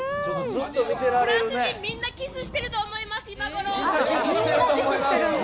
フランス人はみんなキスしてると思います、今ごろ。